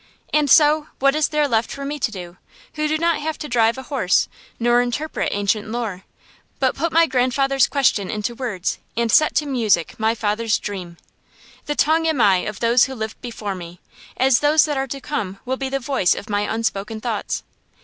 And so what is there left for me to do, who do not have to drive a horse nor interpret ancient lore, but put my grandfather's question into words and set to music my father's dream? The tongue am I of those who lived before me, as those that are to come will be the voice of my unspoken thoughts.